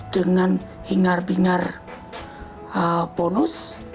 dengan hingar bingar bonus